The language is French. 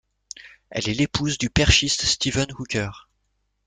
Elle est l'épouse du perchiste Steven Hooker.